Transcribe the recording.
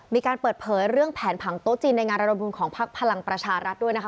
มีการเปิดเผยเรื่องแผนผังโต๊ะจีนในงานระดมบุญของพักพลังประชารัฐด้วยนะคะ